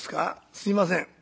すいません。